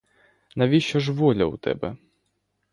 Навіщо ж воля у тебе?